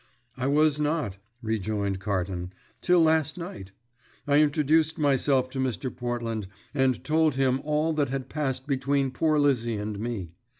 "I was not," rejoined Carton, "till last night. I introduced myself to Mr. Portland, and told him all that had passed between poor Lizzie and me.